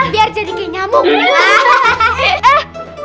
biar jadi kayak nyamuk